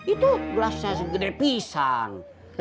itu gelasnya segede pisang